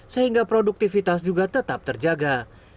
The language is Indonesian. sehingga produktivitas juga tetap terjaga